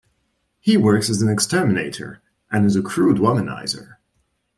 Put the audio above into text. He works as an exterminator and is a crude womanizer.